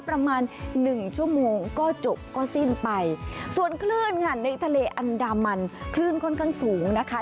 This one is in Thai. ประมาณหนึ่งชั่วโมงก็จบก็สิ้นไปส่วนคลื่นค่ะในทะเลอันดามันคลื่นค่อนข้างสูงนะคะ